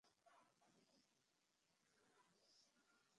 তুমি যা তুমি তাই!